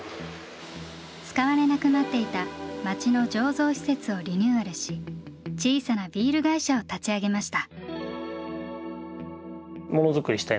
使われなくなっていた町の醸造施設をリニューアルし小さなビール会社を立ち上げました。